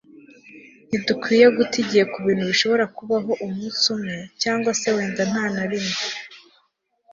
ntidukwiye guta igihe ku bintu bishobora kubaho umunsi umwe, cyangwa se wenda nta na rimwe. - colleen hoover